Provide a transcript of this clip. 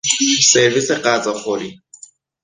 سرویس غذاخوری